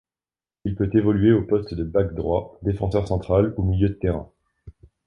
Il peut évoluer au poste de back droit, défenseur central ou milieu de terrain.